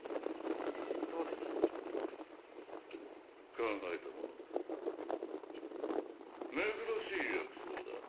そうです考えたものだ珍しい薬草だ